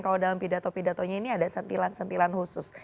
kalau dalam pidato pidatonya ini ada sentilan sentilan khusus